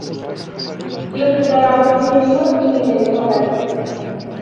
Los escarabajos femeninos inician los ataques.